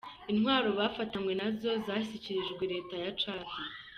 Intwaro bafatanywe, nazo zashyikirijwe leta ya Tchad.